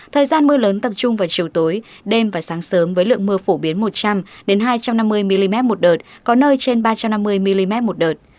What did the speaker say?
thời gian mưa lớn tập trung vào chiều tối đêm và sáng sớm với lượng mưa phổ biến một trăm linh hai trăm năm mươi mm một đợt có nơi trên ba trăm năm mươi mm một đợt